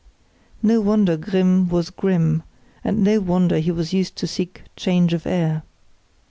No wonder Grimm was grim; and no wonder he was used to seek change of air.